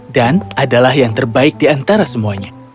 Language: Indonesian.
dan adalah yang terbaik di antara semuanya